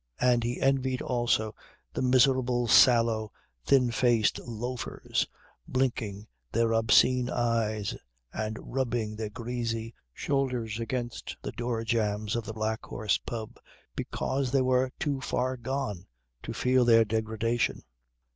And he envied also the miserable sallow, thin faced loafers blinking their obscene eyes and rubbing their greasy shoulders against the door jambs of the Black Horse pub, because they were too far gone to feel their degradation.